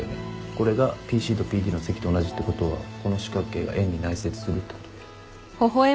これがＰＣとＰＤの積と同じってことはこの四角形が円に内接するってこと。